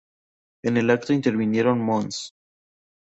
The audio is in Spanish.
En el acto intervinieron mons.